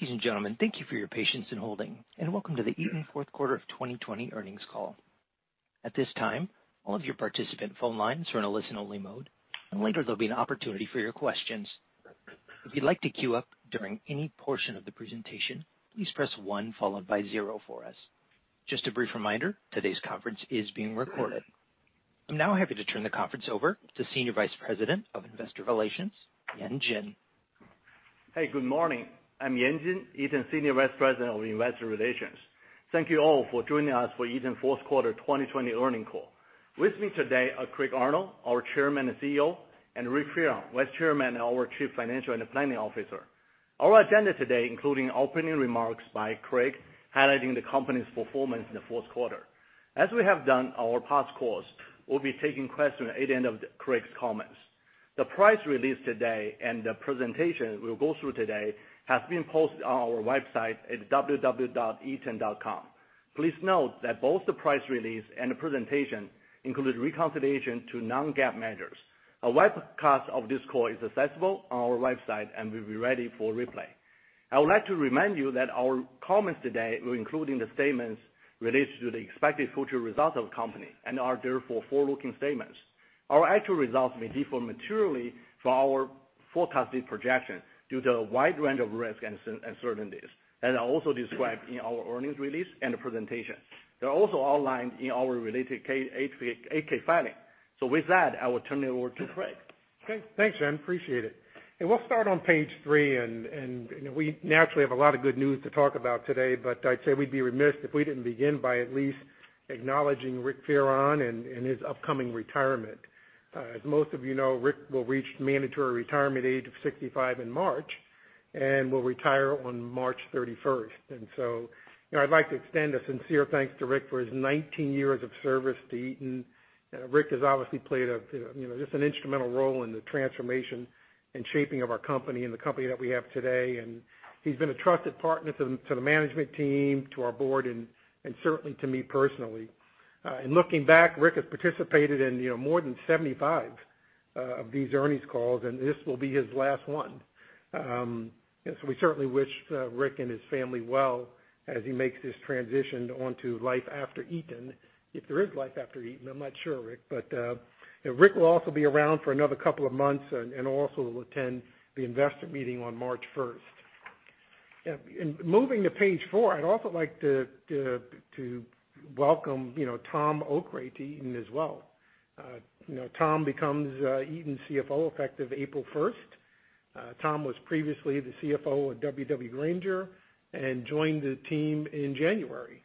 Ladies and gentlemen, thank you for your patience in holding, and welcome to the Eaton fourth quarter of 2020 earnings call. At this time all participants' phone lines are in listen-only mode and there will be an opportunity for your questions. If you would like to queue up during any portion of the presentation please press one followed by zero for us. Just a brief reminder today's conference is being recorded. I'm now happy to turn the conference over to Senior Vice President of Investor Relations, Yan Jin. Hey, good morning. I'm Yan Jin, Eaton Senior Vice President of Investor Relations. Thank you all for joining us for Eaton fourth quarter 2020 earnings call. With me today are Craig Arnold, our Chairman and CEO, and Rick Fearon, Vice Chairman and our Chief Financial and Planning Officer. Our agenda today, including opening remarks by Craig, highlighting the company's performance in the fourth quarter. As we have done our past calls, we'll be taking questions at the end of Craig's comments. The press release today and the presentation we'll go through today has been posted on our website at www.eaton.com. Please note that both the press release and the presentation include reconciliation to non-GAAP measures. A webcast of this call is accessible on our website, and will be ready for replay. I would like to remind you that our comments today will include the statements related to the expected future results of the company and are therefore forward-looking statements. Our actual results may differ materially from our forecasted projection due to a wide range of risks and uncertainties, as are also described in our earnings release and the presentation. They are also outlined in our related 8-K filing. With that, I will turn it over to Craig. Okay. Thanks, Yan. Appreciate it. We'll start on Page three, and we naturally have a lot of good news to talk about today. I'd say we'd be remiss if we didn't begin by at least acknowledging Rick Fearon and his upcoming retirement. As most of you know, Rick will reach mandatory retirement age of 65 in March and will retire on March 31st. I'd like to extend a sincere thanks to Rick for his 19 years of service to Eaton. Rick has obviously played just an instrumental role in the transformation and shaping of our company and the company that we have today. He's been a trusted partner to the management team, to our board, and certainly to me personally. In looking back, Rick has participated in more than 75 of these earnings calls, and this will be his last one. We certainly wish Rick and his family well as he makes this transition onto life after Eaton, if there is life after Eaton. I'm not sure, Rick. Rick will also be around for another couple of months and also will attend the investor meeting on March 1st. Moving to Page four, I'd also like to welcome Tom Okray to Eaton as well. Tom becomes Eaton CFO effective April 1st. Tom was previously the CFO of W.W. Grainger and joined the team in January.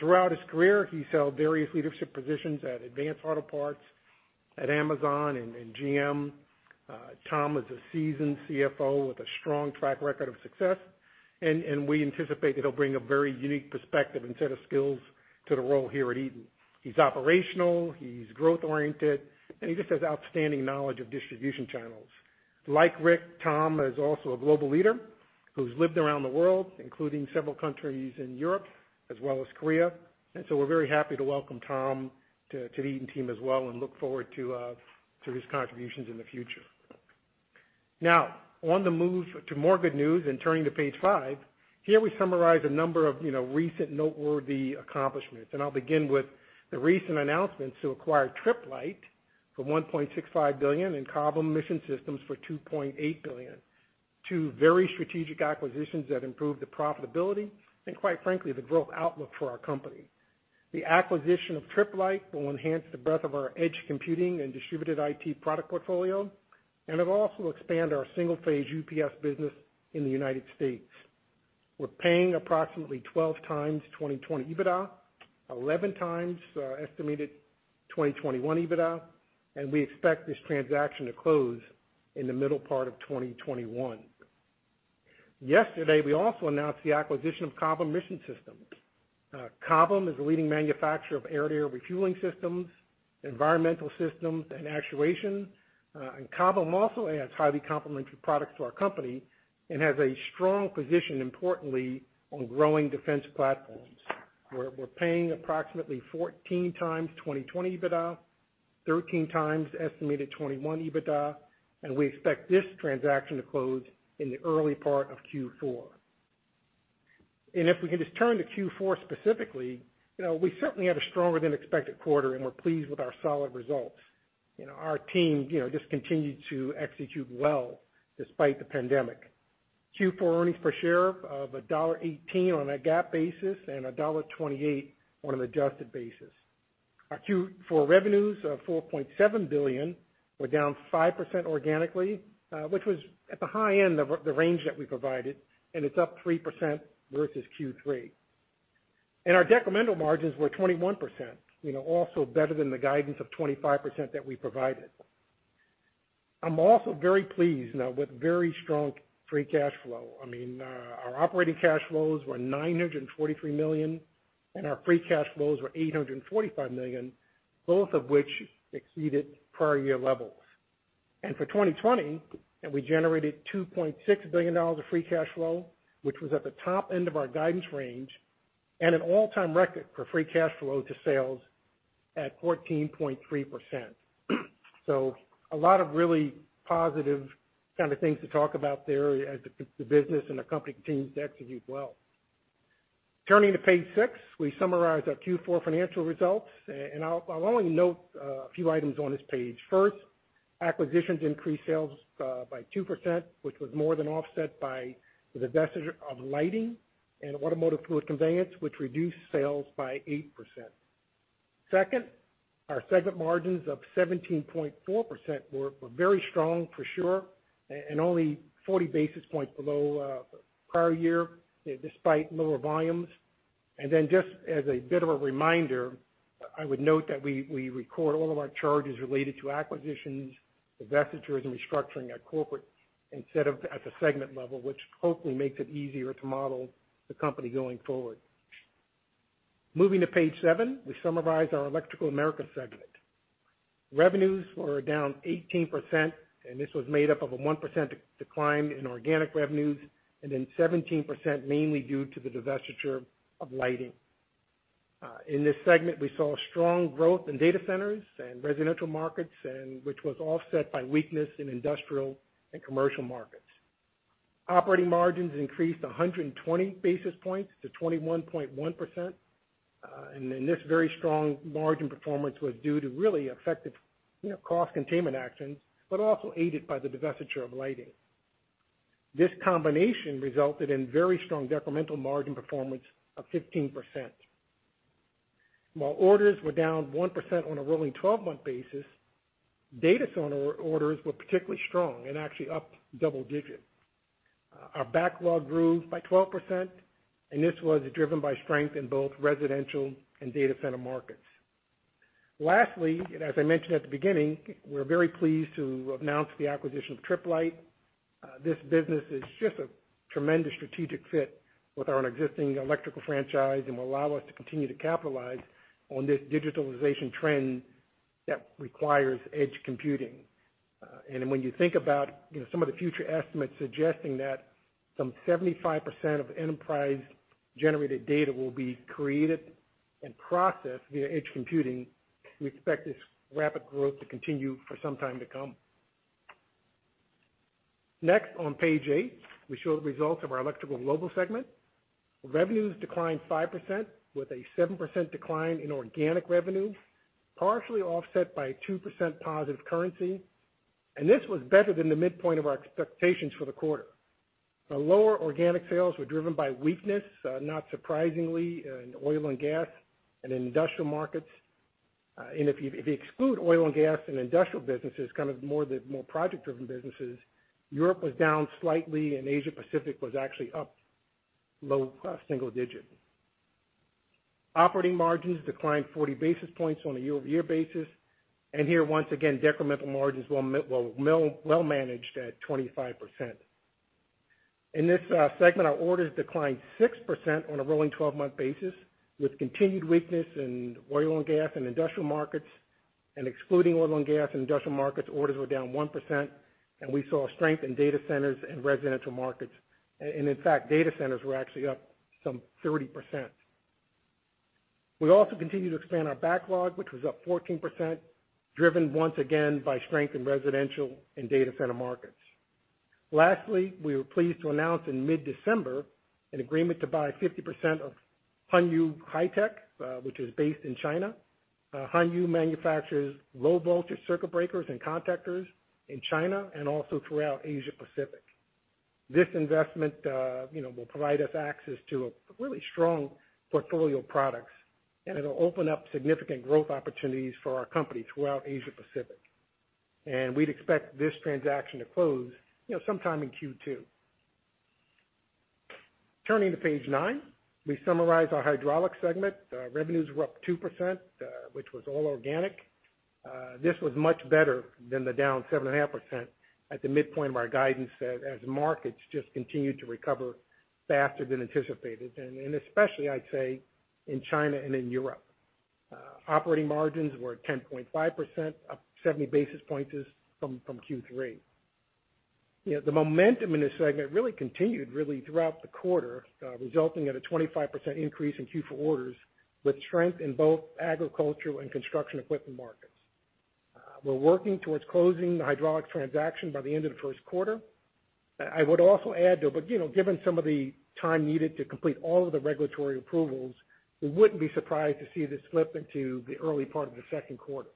Throughout his career, he's held various leadership positions at Advance Auto Parts, at Amazon, and GM. Tom is a seasoned CFO with a strong track record of success, and we anticipate he'll bring a very unique perspective and set of skills to the role here at Eaton. He's operational, he's growth-oriented, and he just has outstanding knowledge of distribution channels. Like Rick, Tom is also a global leader who's lived around the world, including several countries in Europe as well as Korea. We're very happy to welcome Tom to the Eaton team as well and look forward to his contributions in the future. Now, on the move to more good news, and turning to Page five, here we summarize a number of recent noteworthy accomplishments. I'll begin with the recent announcements to acquire Tripp Lite for $1.65 billion and Cobham Mission Systems for $2.8 billion. Two very strategic acquisitions that improve the profitability, and quite frankly, the growth outlook for our company. The acquisition of Tripp Lite will enhance the breadth of our edge computing and distributed IT product portfolio, and it'll also expand our single-phase UPS business in the U.S. We're paying approximately 12x 2020 EBITDA, 11x estimated 2021 EBITDA. We expect this transaction to close in the middle part of 2021. Yesterday, we also announced the acquisition of Cobham Mission Systems. Cobham is a leading manufacturer of air-to-air refueling systems, environmental systems, and actuation. Cobham also adds highly complementary products to our company and has a strong position, importantly, on growing defense platforms, where we're paying approximately 14x 2020 EBITDA, 13x estimated 2021 EBITDA, and we expect this transaction to close in the early part of Q4. If we could just turn to Q4 specifically, we certainly had a stronger than expected quarter, and we're pleased with our solid results. Our team just continued to execute well despite the pandemic. Q4 earnings per share of $1.18 on a GAAP basis and $1.28 on an adjusted basis. Our Q4 revenues of $4.7 billion were down 5% organically, which was at the high end of the range that we provided. It's up 3% versus Q3. Our decremental margins were 21%, also better than the guidance of 25% that we provided. I'm also very pleased now with very strong free cash flow. I mean, our operating cash flows were $943 million, and our free cash flows were $845 million, both of which exceeded prior year levels. For 2020, we generated $2.6 billion of free cash flow, which was at the top end of our guidance range and an all-time record for free cash flow to sales at 14.3%. A lot of really positive kind of things to talk about there as the business and the company continues to execute well. Turning to Page six, we summarize our Q4 financial results, and I'll only note a few items on this page. First, acquisitions increased sales by 2%, which was more than offset by the divestiture of lighting and automotive fluid conveyance, which reduced sales by 8%. Second, our segment margins of 17.4% were very strong for sure and only 40 basis points below prior year despite lower volumes. Just as a bit of a reminder, I would note that we record all of our charges related to acquisitions, divestitures, and restructuring at Corporate instead of at the segment level, which hopefully makes it easier to model the company going forward. Moving to Page seven, we summarize our Electrical Americas segment. Revenues were down 18%, and this was made up of a 1% decline in organic revenues and then 17% mainly due to the divestiture of lighting. In this segment, we saw strong growth in data centers and residential markets, which was offset by weakness in industrial and commercial markets. Operating margins increased 120 basis points to 21.1%. This very strong margin performance was due to really effective cost containment actions, but also aided by the divestiture of lighting. This combination resulted in very strong incremental margin performance of 15%. While orders were down 1% on a rolling 12-month basis, data center orders were particularly strong and actually up double digits. Our backlog grew by 12%, and this was driven by strength in both residential and data center markets. Lastly, and as I mentioned at the beginning, we're very pleased to announce the acquisition of Tripp Lite. This business is just a tremendous strategic fit with our existing electrical franchise and will allow us to continue to capitalize on this digitalization trend that requires edge computing. When you think about some of the future estimates suggesting that some 75% of enterprise-generated data will be created and processed via edge computing, we expect this rapid growth to continue for some time to come. On Page eight, we show the results of our Electrical Global segment. Revenues declined 5% with a 7% decline in organic revenue, partially offset by 2% positive currency, and this was better than the midpoint of our expectations for the quarter. Lower organic sales were driven by weakness, not surprisingly, in oil and gas and industrial markets. If you exclude oil and gas and industrial businesses, kind of the more project-driven businesses, Europe was down slightly, and Asia-Pacific was actually up low single digit. Operating margins declined 40 basis points on a year-over-year basis. Here, once again, decremental margins were well managed at 25%. In this segment, our orders declined 6% on a rolling 12-month basis, with continued weakness in oil and gas and industrial markets. Excluding oil and gas and industrial markets, orders were down 1%, and we saw strength in data centers and residential markets. In fact, data centers were actually up some 30%. We also continue to expand our backlog, which was up 14%, driven once again by strength in residential and data center markets. Lastly, we were pleased to announce in mid-December an agreement to buy 50% of HuanYu High Tech, which is based in China. HuanYu manufactures low-voltage circuit breakers and contactors in China and also throughout Asia-Pacific. This investment will provide us access to a really strong portfolio of products, it'll open up significant growth opportunities for our company throughout Asia-Pacific. We'd expect this transaction to close sometime in Q2. Turning to Page nine, we summarize our Hydraulics segment. Revenues were up 2%, which was all organic. This was much better than the down 7.5% at the midpoint of our guidance as markets just continued to recover faster than anticipated, and especially, I'd say, in China and in Europe. Operating margins were 10.5%, up 70 basis points from Q3. The momentum in this segment really continued throughout the quarter, resulting in a 25% increase in Q4 orders, with strength in both agricultural and construction equipment markets. We're working towards closing the hydraulics transaction by the end of the first quarter. I would also add, though, given some of the time needed to complete all of the regulatory approvals, we wouldn't be surprised to see this slip into the early part of the second quarter.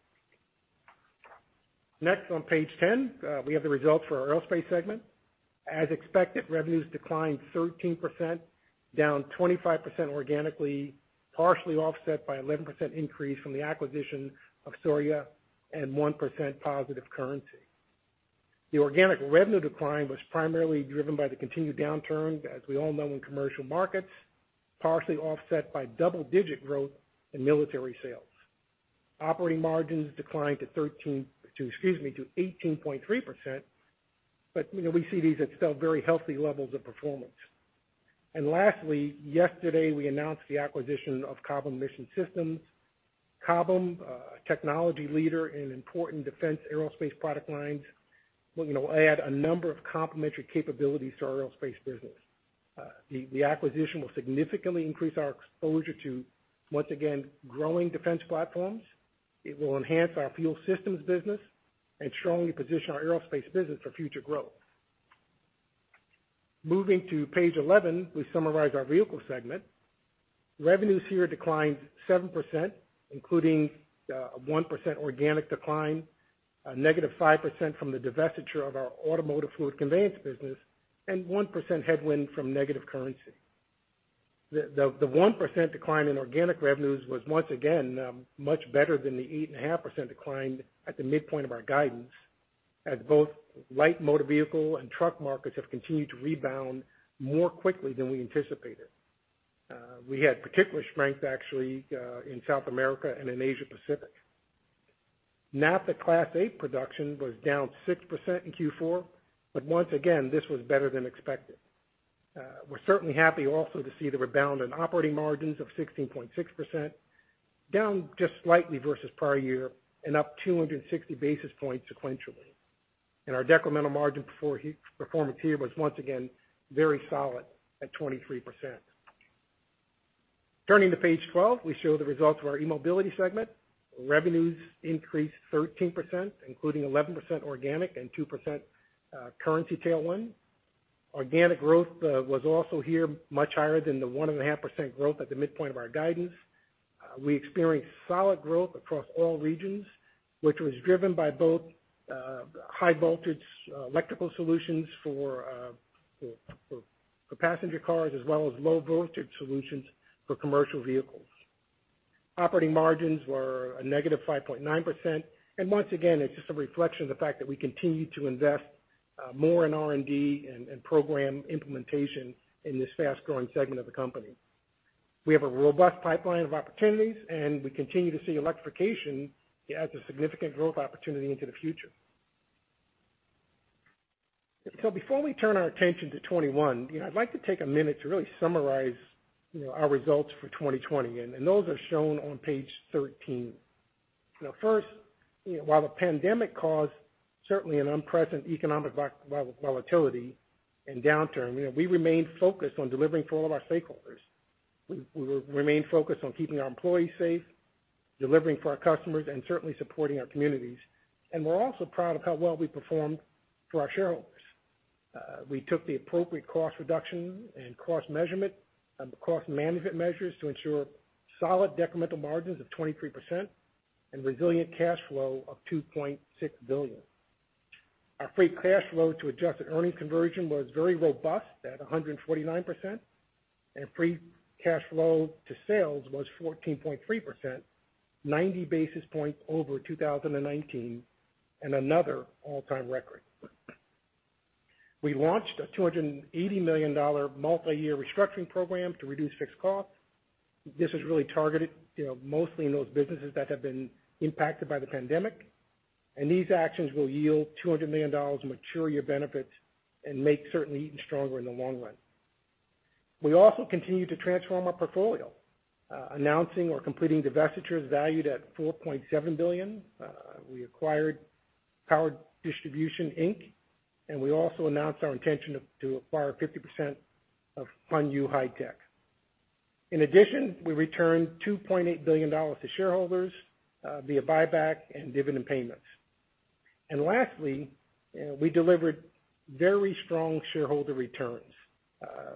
Next, on Page 10, we have the results for our Aerospace segment. As expected, revenues declined 13%, down 25% organically, partially offset by 11% increase from the acquisition of Souriau and 1% positive currency. The organic revenue decline was primarily driven by the continued downturn, as we all know in commercial markets, partially offset by double-digit growth in military sales. Operating margins declined to 18.3%, we see these at still very healthy levels of performance. Lastly, yesterday we announced the acquisition of Cobham Mission Systems. Cobham, a technology leader in important defense aerospace product lines. We're going to add a number of complementary capabilities to our aerospace business. The acquisition will significantly increase our exposure to, once again, growing defense platforms. It will enhance our fuel systems business and strongly position our aerospace business for future growth. Moving to Page 11, we summarize our vehicles segment. Revenues here declined 7%, including a 1% organic decline, a -5% from the divestiture of our automotive fluid conveyance business, and 1% headwind from negative currency. The 1% decline in organic revenues was once again, much better than the 8.5% decline at the midpoint of our guidance, as both light motor vehicle and truck markets have continued to rebound more quickly than we anticipated. We had particular strength, actually, in South America and in Asia Pacific. NAFTA Class 8 production was down 6% in Q4. Once again, this was better than expected. We're certainly happy also to see the rebound in operating margins of 16.6%, down just slightly versus prior year and up 260 basis points sequentially. Our decremental margin performance here was once again very solid at 23%. Turning to Page 12, we show the results of our eMobility segment. Revenues increased 13%, including 11% organic and 2% currency tailwind. Organic growth was also here much higher than the 1.5% growth at the midpoint of our guidance. We experienced solid growth across all regions, which was driven by both high voltage electrical solutions for passenger cars as well as low voltage solutions for commercial vehicles. Operating margins were a negative 5.9%, and once again, it's just a reflection of the fact that we continue to invest more in R&D and program implementation in this fast-growing segment of the company. We have a robust pipeline of opportunities, and we continue to see electrification as a significant growth opportunity into the future. Before we turn our attention to 2021, I'd like to take a minute to really summarize our results for 2020, and those are shown on Page 13. First, while the pandemic caused certainly an unprecedented economic volatility and downturn, we remained focused on delivering for all of our stakeholders. We remained focused on keeping our employees safe, delivering for our customers, and certainly supporting our communities. We're also proud of how well we performed for our shareholders. We took the appropriate cost reduction and cost measurement and cost management measures to ensure solid decremental margins of 23% and resilient cash flow of $2.6 billion. Our free cash flow to adjusted earning conversion was very robust at 149%, and free cash flow to sales was 14.3%, 90 basis points over 2019 and another all-time record. We launched a $280 million multi-year restructuring program to reduce fixed costs. This is really targeted mostly in those businesses that have been impacted by the pandemic, and these actions will yield $200 million in mature year benefits and make certainly Eaton stronger in the long run. We also continue to transform our portfolio, announcing or completing divestitures valued at $4.7 billion. We acquired Power Distribution, Inc. and we also announced our intention to acquire 50% of HuanYu High Tech. In addition, we returned $2.8 billion to shareholders via buyback and dividend payments. Lastly, we delivered very strong shareholder returns,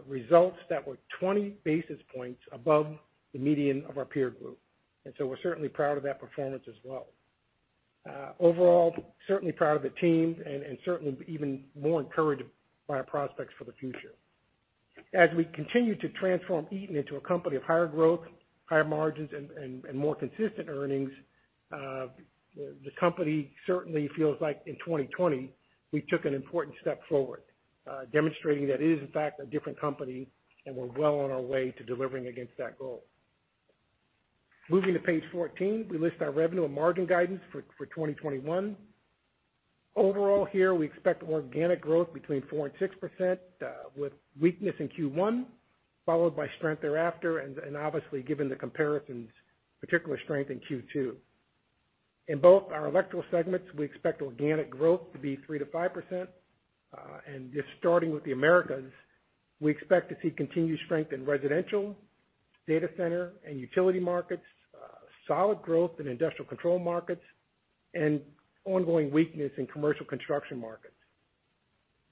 results that were 20 basis points above the median of our peer group. So we're certainly proud of that performance as well. Overall, certainly proud of the team and certainly even more encouraged by our prospects for the future. As we continue to transform Eaton into a company of higher growth, higher margins, and more consistent earnings, the company certainly feels like in 2020, we took an important step forward, demonstrating that it is in fact a different company, and we're well on our way to delivering against that goal. Moving to Page 14, we list our revenue and margin guidance for 2021. Overall here, we expect organic growth between 4% and 6%, with weakness in Q1, followed by strength thereafter, and obviously, given the comparisons, particular strength in Q2. In both our Electrical segments, we expect organic growth to be 3%-5%. Just starting with the Americas, we expect to see continued strength in residential, data center, and utility markets, solid growth in industrial control markets, and ongoing weakness in commercial construction markets.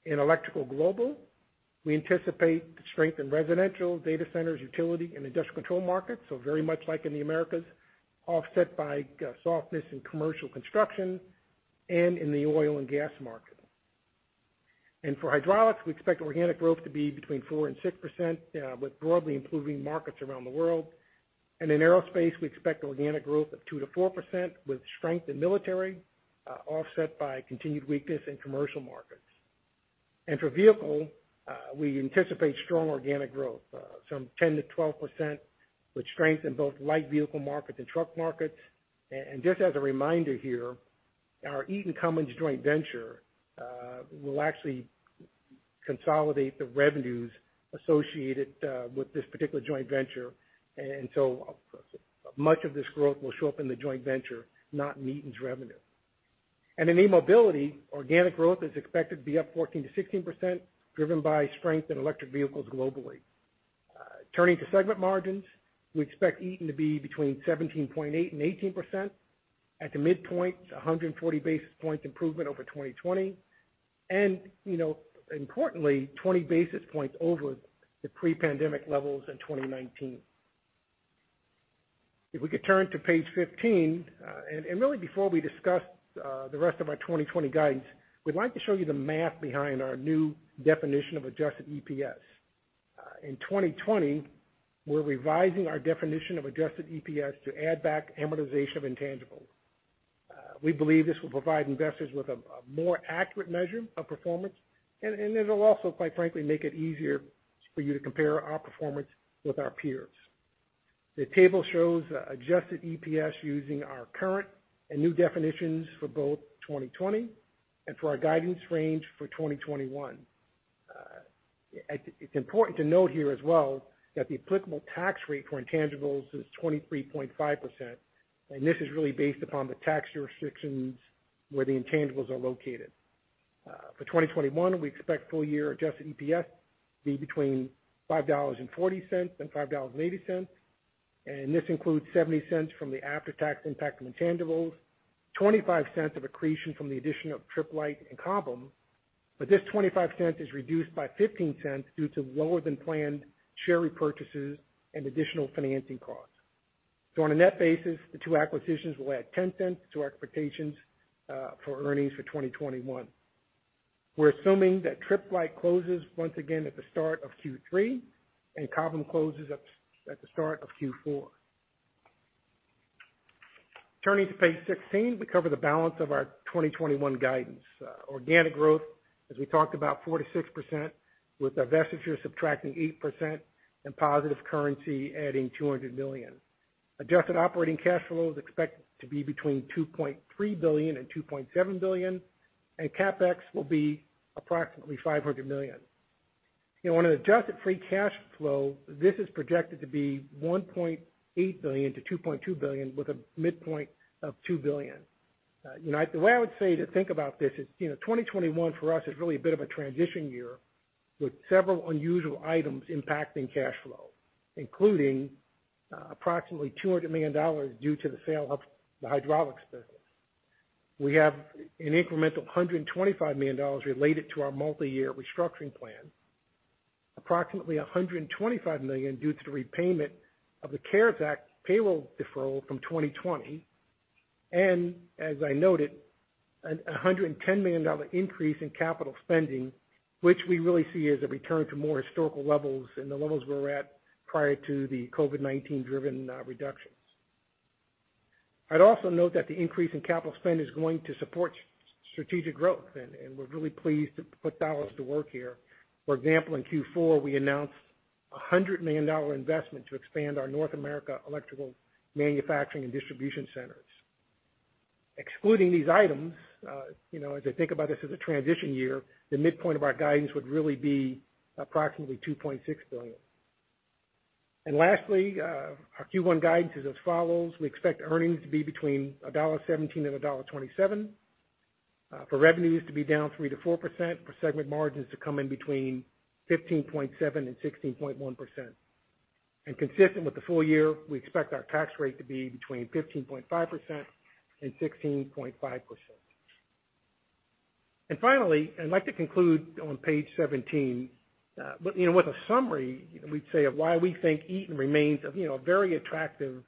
In Electrical Global, we anticipate strength in residential, data centers, utility, and industrial control markets, very much like in the Americas, offset by softness in commercial construction and in the oil and gas market. For Hydraulics, we expect organic growth to be 4%-6%, with broadly improving markets around the world. In Aerospace, we expect organic growth of 2%-4%, with strength in military offset by continued weakness in commercial markets. For Vehicle, we anticipate strong organic growth, some 10%-12%, with strength in both light vehicle markets and truck markets. Just as a reminder here, our Eaton Cummins joint venture will actually consolidate the revenues associated with this particular joint venture. Much of this growth will show up in the joint venture, not Eaton's revenue. In eMobility, organic growth is expected to be up 14%-16%, driven by strength in electric vehicles globally. Turning to segment margins, we expect Eaton to be between 17.8% and 18%. At the midpoint, it's 140 basis points improvement over 2020, and importantly, 20 basis points over the pre-pandemic levels in 2019. If we could turn to Page 15, and really before we discuss the rest of our 2020 guidance, we'd like to show you the math behind our new definition of adjusted EPS. In 2020, we're revising our definition of adjusted EPS to add back amortization of intangibles. We believe this will provide investors with a more accurate measure of performance, and it'll also, quite frankly, make it easier for you to compare our performance with our peers. The table shows adjusted EPS using our current and new definitions for both 2020 and for our guidance range for 2021. It's important to note here as well that the applicable tax rate for intangibles is 23.5%, and this is really based upon the tax jurisdictions where the intangibles are located. For 2021, we expect full-year adjusted EPS to be between $5.40 and $5.80. This includes $0.70 from the after-tax impact of intangibles, $0.25 of accretion from the addition of Tripp Lite and Cobham. This $0.25 is reduced by $0.15 due to lower than planned share repurchases and additional financing costs. On a net basis, the two acquisitions will add $0.10 to our expectations for earnings for 2021. We're assuming that Tripp Lite closes once again at the start of Q3, and Cobham closes at the start of Q4. Turning to page 16, we cover the balance of our 2021 guidance. Organic growth, as we talked about, 4%-6%, with divestiture subtracting 8% and positive currency adding $200 million. Adjusted operating cash flow is expected to be between $2.3 billion and $2.7 billion, and CapEx will be approximately $500 million. On an adjusted free cash flow, this is projected to be $1.8 billion-$2.2 billion with a midpoint of $2 billion. The way I would say to think about this is, 2021 for us is really a bit of a transition year, with several unusual items impacting cash flow, including approximately $200 million due to the sale of the hydraulics business. We have an incremental $125 million related to our multi-year restructuring plan, approximately $125 million due to the repayment of the CARES Act payroll deferral from 2020, and, as I noted, a $110 million increase in capital spending, which we really see as a return to more historical levels and the levels we were at prior to the COVID-19 driven reductions. I'd also note that the increase in capital spend is going to support strategic growth, and we're really pleased to put dollars to work here. For example, in Q4, we announced a $100 million investment to expand our North America electrical manufacturing and distribution centers. Excluding these items, as I think about this as a transition year, the midpoint of our guidance would really be approximately $2.6 billion. Lastly, our Q1 guidance is as follows. We expect earnings to be between $1.17 and $1.27, for revenues to be down 3%-4%, for segment margins to come in between 15.7% and 16.1%. Consistent with the full-year, we expect our tax rate to be between 15.5% and 16.5%. Finally, I'd like to conclude on Page 17. With a summary, we'd say of why we think Eaton remains a very attractive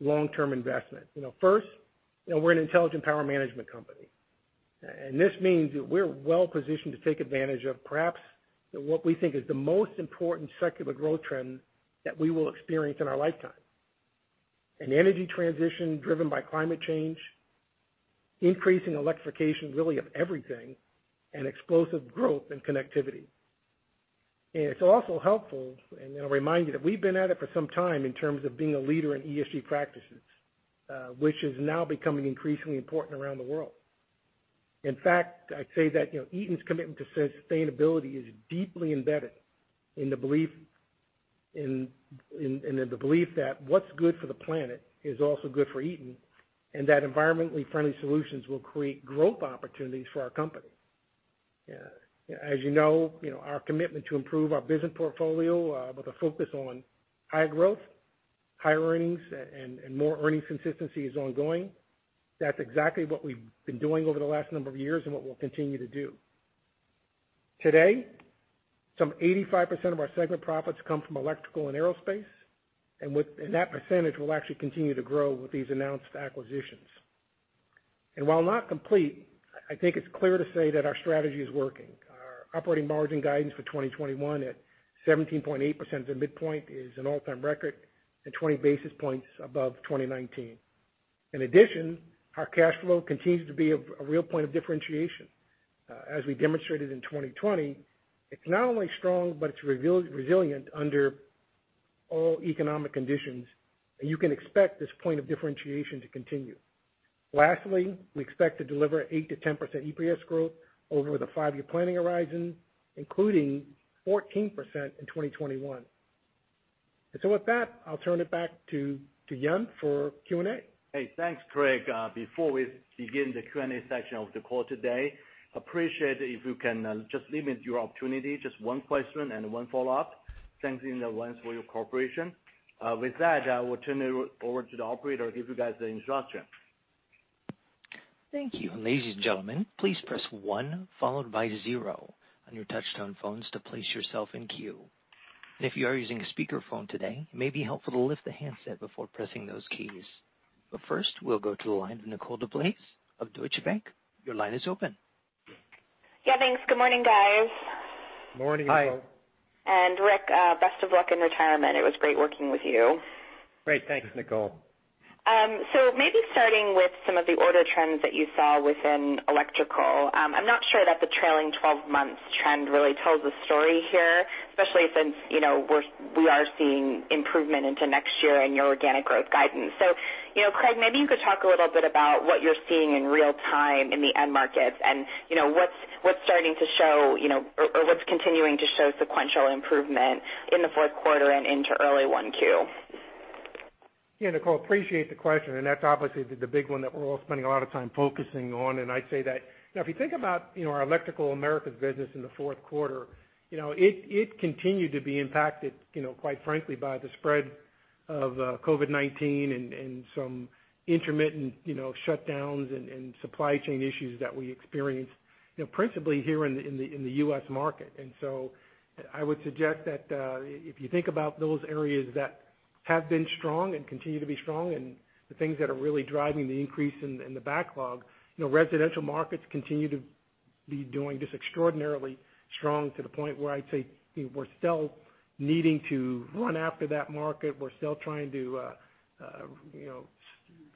long-term investment. First, we're an intelligent power management company. This means that we're well-positioned to take advantage of perhaps what we think is the most important secular growth trend that we will experience in our lifetime. An energy transition driven by climate change, increasing electrification really of everything, and explosive growth in connectivity. It's also helpful, and it'll remind you that we've been at it for some time in terms of being a leader in ESG practices, which is now becoming increasingly important around the world. In fact, I'd say that Eaton's commitment to sustainability is deeply embedded in the belief that what's good for the planet is also good for Eaton, and that environmentally friendly solutions will create growth opportunities for our company. As you know, our commitment to improve our business portfolio, with a focus on higher growth, higher earnings, and more earnings consistency is ongoing. That's exactly what we've been doing over the last number of years and what we'll continue to do. Today, some 85% of our segment profits come from Electrical and Aerospace, and that percentage will actually continue to grow with these announced acquisitions. While not complete, I think it's clear to say that our strategy is working. Our operating margin guidance for 2021 at 17.8% as a midpoint is an all-time record and 20 basis points above 2019. In addition, our cash flow continues to be a real point of differentiation. As we demonstrated in 2020, it's not only strong, but it's resilient under all economic conditions, and you can expect this point of differentiation to continue. Lastly, we expect to deliver 8%-10% EPS growth over the five-year planning horizon, including 14% in 2021. With that, I'll turn it back to Yan for Q&A. Hey, thanks, Craig. Before we begin the Q&A section of the call today, appreciate it if you can just limit your opportunity to just one question and one follow-up. Thanks in advance for your cooperation. With that, I will turn it over to the operator to give you guys the instruction. Thank you ladies and gentlemen. Please press one followed by zero on your touch-tone phones to place yourself in queue. If you are using a speaker phone today it maybe be helpful to lift the handset before pressing those keys. First, we'll go to the line of Nicole DeBlase of Deutsche Bank. Your line is open. Yeah, thanks. Good morning, guys. Morning, Nicole. Hi. Rick, best of luck in retirement. It was great working with you. Great. Thanks, Nicole. Maybe starting with some of the order trends that you saw within Electrical, I'm not sure that the trailing 12 months trend really tells the story here, especially since we are seeing improvement into next year and your organic growth guidance. Craig, maybe you could talk a little bit about what you're seeing in real time in the end markets and what's starting to show, or what's continuing to show sequential improvement in the fourth quarter and into early 1Q. Nicole, appreciate the question, that's obviously the big one that we're all spending a lot of time focusing on, and I say that. Now, if you think about our Electrical Americas business in the fourth quarter, it continued to be impacted, quite frankly, by the spread of COVID-19 and some intermittent shutdowns and supply chain issues that we experienced, principally here in the U.S. market. I would suggest that, if you think about those areas that have been strong and continue to be strong, and the things that are really driving the increase in the backlog, residential markets continue to be doing just extraordinarily strong to the point where I'd say we're still needing to run after that market. We're still trying to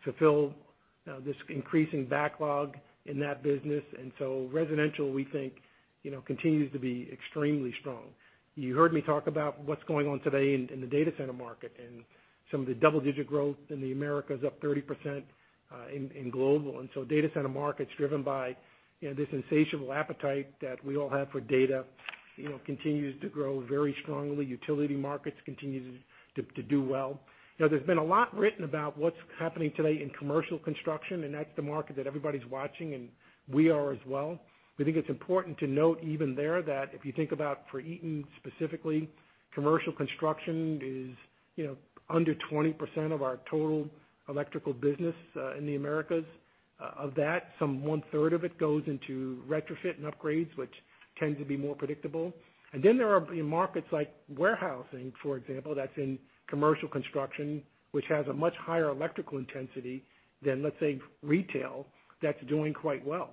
fulfill this increasing backlog in that business. Residential, we think, continues to be extremely strong. You heard me talk about what's going on today in the data center market and some of the double-digit growth in the Americas, up 30% in global. Data center markets driven by this insatiable appetite that we all have for data, continues to grow very strongly. Utility markets continues to do well. There's been a lot written about what's happening today in commercial construction, and that's the market that everybody's watching, and we are as well. We think it's important to note even there that if you think about for Eaton specifically, commercial construction is under 20% of our total electrical business in the Americas. Of that, some one-third of it goes into retrofit and upgrades, which tend to be more predictable. There are markets like warehousing, for example, that's in commercial construction, which has a much higher electrical intensity than, let's say, retail, that's doing quite well.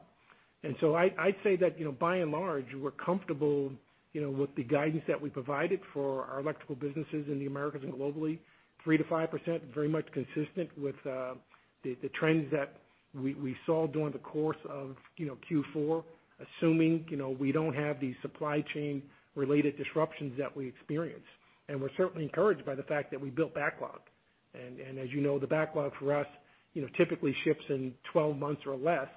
I'd say that by and large, we're comfortable with the guidance that we provided for our electrical businesses in the Electrical Americas and Electrical Global, 3%-5%, very much consistent with the trends that we saw during the course of Q4, assuming we don't have these supply chain-related disruptions that we experienced. We're certainly encouraged by the fact that we built backlog. As you know, the backlog for us typically ships in 12 months or less,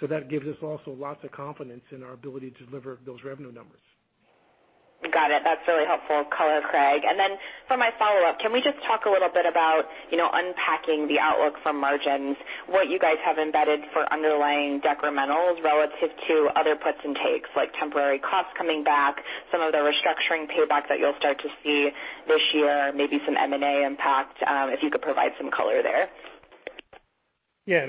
so that gives us also lots of confidence in our ability to deliver those revenue numbers. Got it. That's really helpful color, Craig. For my follow-up, can we just talk a little bit about unpacking the outlook for margins, what you guys have embedded for underlying decrementals relative to other puts and takes, like temporary costs coming back, some of the restructuring payback that you'll start to see this year, maybe some M&A impact, if you could provide some color there? Yeah,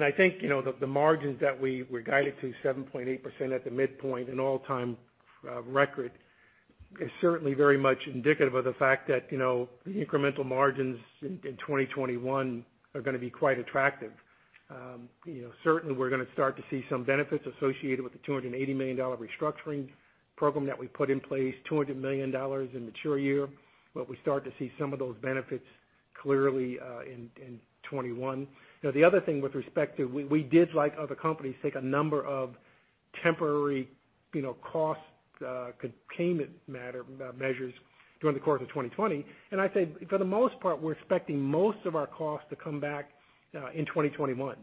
I think, the margins that we guided to, 7.8% at the midpoint, an all-time record, is certainly very much indicative of the fact that the incremental margins in 2021 are going to be quite attractive. Certainly, we're going to start to see some benefits associated with the $280 million restructuring program that we put in place, $200 million in mature year, but we start to see some of those benefits clearly in 2021. The other thing with respect to, we did, like other companies, take a number of temporary cost containment measures during the course of 2020. I'd say, for the most part, we're expecting most of our costs to come back in 2021.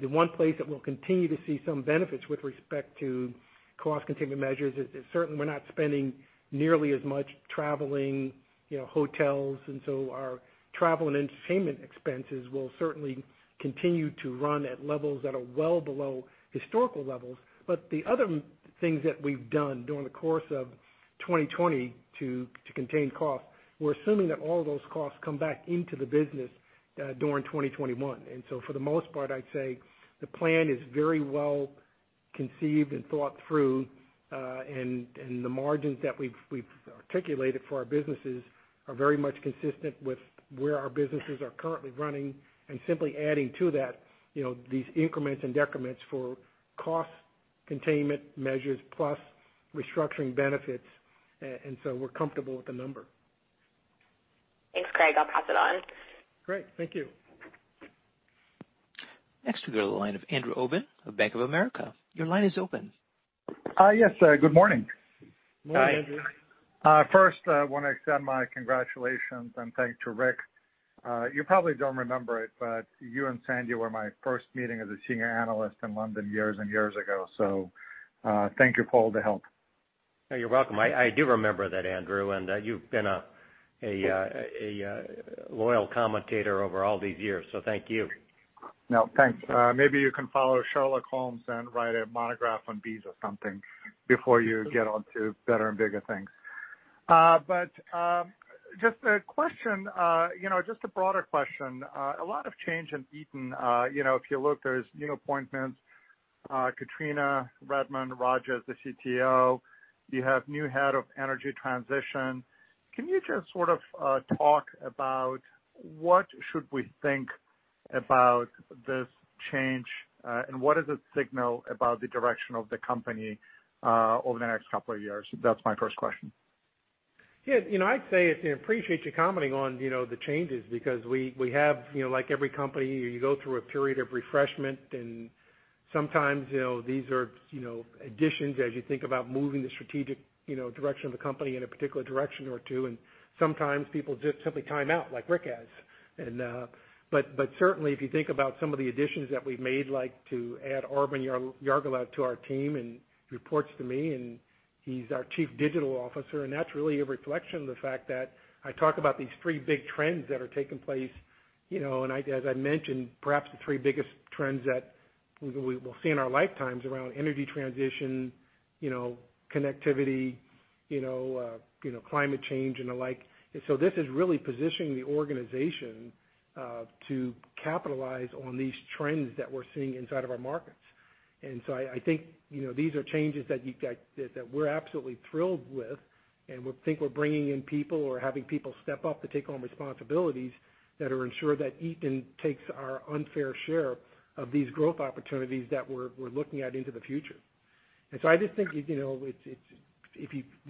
The one place that we'll continue to see some benefits with respect to cost containment measures is certainly we're not spending nearly as much traveling, hotels. Our travel and entertainment expenses will certainly continue to run at levels that are well below historical levels. The other things that we've done during the course of 2020 to contain costs, we're assuming that all of those costs come back into the business during 2021. For the most part, I'd say the plan is very well conceived and thought through, and the margins that we've articulated for our businesses are very much consistent with where our businesses are currently running, and simply adding to that these increments and decrements for cost containment measures plus restructuring benefits. We're comfortable with the number. Thanks, Craig. I'll pass it on. Great. Thank you. Next we go to the line of Andrew Obin of Bank of America. Your line is open. Yes. Good morning. Morning, Andrew. First, I want to extend my congratulations and thanks to Rick. You probably don't remember it, but you and Sandy were my first meeting as a senior analyst in London years and years ago. Thank you for all the help. You're welcome. I do remember that, Andrew. You've been a loyal commentator over all these years. Thank you. No, thanks. Maybe you can follow Sherlock Holmes and write a monograph on bees or something before you get on to better and bigger things. Just a broader question. A lot of change in Eaton. If you look, there's new appointments, Katrina Redmond, Raj as the CTO. You have new head of energy transition. Can you just sort of talk about what should we think about this change, and what does it signal about the direction of the company over the next couple of years? That's my first question. Yeah. I appreciate you commenting on the changes because we have, like every company, you go through a period of refreshment and sometimes, these are additions as you think about moving the strategic direction of the company in a particular direction or two, and sometimes people just simply time out like Rick has. Certainly, if you think about some of the additions that we've made, like to add Aravind Yarlagadda to our team, and he reports to me, and he's our Chief Digital Officer, and that's really a reflection of the fact that I talk about these three big trends that are taking place, and as I mentioned, perhaps the three biggest trends that we will see in our lifetimes around energy transition, connectivity, climate change, and the like. This is really positioning the organization, to capitalize on these trends that we're seeing inside of our markets. I think these are changes that we're absolutely thrilled with, and we think we're bringing in people or having people step up to take on responsibilities that will ensure that Eaton takes our unfair share of these growth opportunities that we're looking at into the future. I just think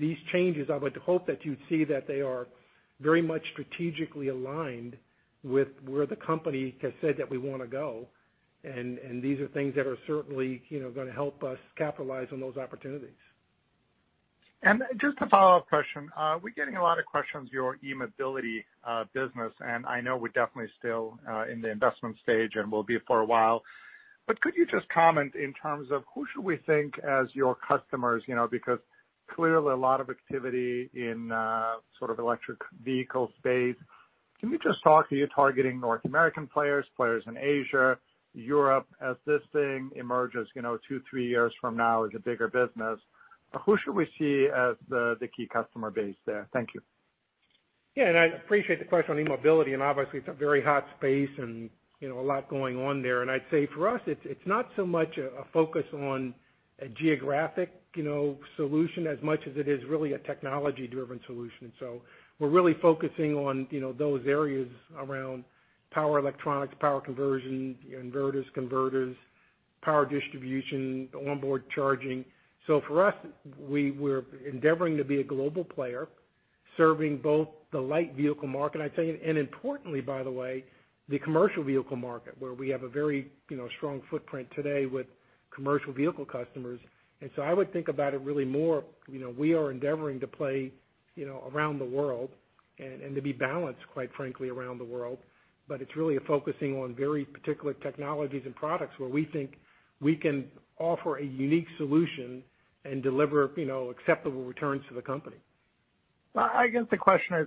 these changes, I would hope that you'd see that they are very much strategically aligned with where the company has said that we want to go, and these are things that are certainly going to help us capitalize on those opportunities. Just a follow-up question. We're getting a lot of questions your eMobility business, and I know we're definitely still in the investment stage and will be for a while. Could you just comment in terms of who should we think as your customers, because clearly a lot of activity in sort of electric vehicle space. Can you just talk, are you targeting North American players in Asia, Europe, as this thing emerges two, three years from now as a bigger business? Who should we see as the key customer base there? Thank you. I appreciate the question on eMobility, obviously it's a very hot space and a lot going on there. I'd say for us, it's not so much a focus on a geographic solution as much as it is really a technology-driven solution. We're really focusing on those areas around power electronics, power conversion, inverters, converters, power distribution, onboard charging. For us, we're endeavoring to be a global player serving both the light vehicle market, I'd say, and importantly, by the way, the commercial vehicle market, where we have a very strong footprint today with commercial vehicle customers. I would think about it really more, we are endeavoring to play around the world and to be balanced, quite frankly, around the world. It's really a focusing on very particular technologies and products where we think we can offer a unique solution and deliver acceptable returns to the company. I guess the question is,